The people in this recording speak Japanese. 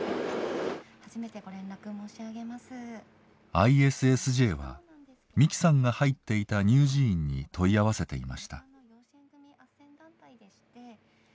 ＩＳＳＪは美希さんが入っていた乳児院に問い合わせていました。